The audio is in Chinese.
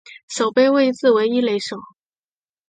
守备位置为一垒手。